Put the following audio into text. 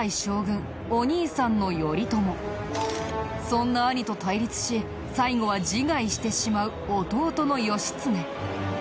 そんな兄と対立し最後は自害してしまう弟の義経。